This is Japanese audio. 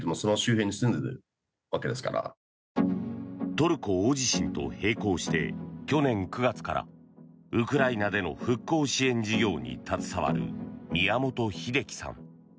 トルコ大地震と並行して去年９月からウクライナでの復興支援事業に携わる宮本英樹さん。